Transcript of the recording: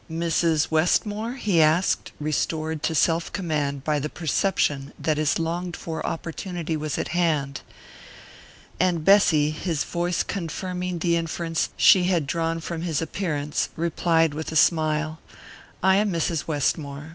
"Mrs. Westmore?" he asked, restored to self command by the perception that his longed for opportunity was at hand; and Bessy, his voice confirming the inference she had drawn from his appearance, replied with a smile: "I am Mrs. Westmore.